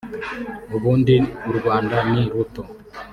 ubundi u Rwanda ni ruto